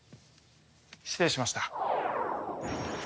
失礼しました。